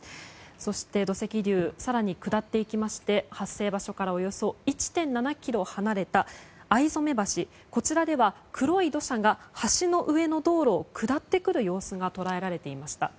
そして、土石流更に下っていきまして発生場所からおよそ１．７ｋｍ離れた逢初橋、こちらでは黒い土砂が橋の上の道路を下ってくる様子が捉えられていました。